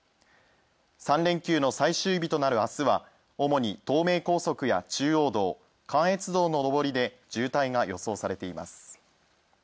３連休の最終日となる明日は主に東名高速や中央道・関越道の上りで渋滞が予想されています。